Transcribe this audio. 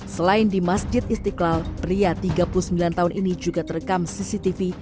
selain di masjid istiqlal pria tiga puluh sembilan tahun ini juga terekam cctv